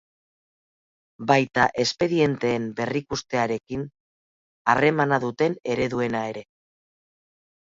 Baita espedienteen berrikustearekin harremana duten ereduena ere.